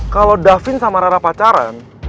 kalo davin sama rara pacaran